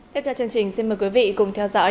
tiếp theo chương trình xin mời quý vị cùng theo dõi